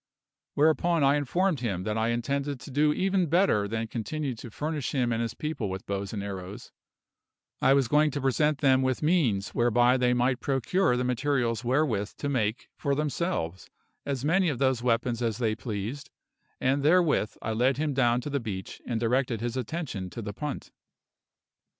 Whereupon I informed him that I intended to do even better than continue to furnish him and his people with bows and arrows I was going to present them with means whereby they might procure the materials wherewith to make for themselves as many of those weapons as they pleased; and therewith I led him down to the beach and directed his attention to the punt.